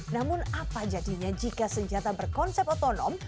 namun apa jadinya jika senjata berkonsep otonom